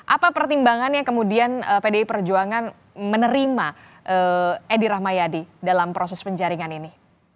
apa pertimbangannya kemudian pdi perjuangan menerima edi rahmayadi dalam proses penjaringan ini